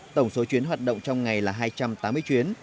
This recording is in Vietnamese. tổng số chuyến hoạt động trong ngày là hai trăm tám mươi chuyến